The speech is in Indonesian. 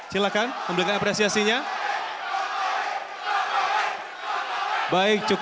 silakan memberikan apresiasinya